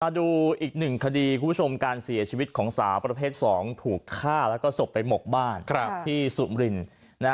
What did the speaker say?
ดูอีกหนึ่งคดีคุณผู้ชมการเสียชีวิตของสาวประเภท๒ถูกฆ่าแล้วก็ศพไปหมกบ้านที่สุมริน